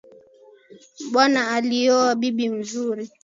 Bwana alioa bibi mzuri